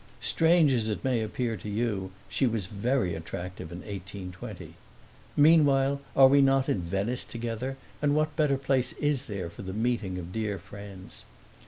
Strange as it may appear to you she was very attractive in 1820. Meanwhile are we not in Venice together, and what better place is there for the meeting of dear friends?